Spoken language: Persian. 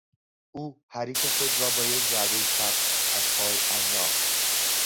او حریف خود را با یک ضربهی چپ از پای انداخت.